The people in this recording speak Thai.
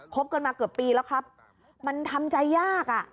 บกันมาเกือบปีแล้วครับมันทำใจยากอ่ะ